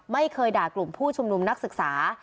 ไม่เคยด่ากลุ่มผู้ชุมนุมนักศึกษา